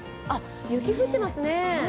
雪降ってますね。